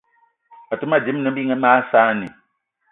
Àtə́ mâ dímâ ne bí mag saanì